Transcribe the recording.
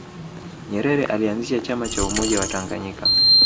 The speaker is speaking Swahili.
nyerere alianzisha chama cha umoja wa tanganyika